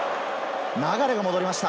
流が戻りました。